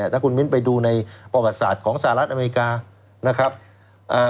ถ้าคุณมิ้นไปดูในประวัติศาสตร์ของประวัติศาสตร์ของสหรัฐอเมริกา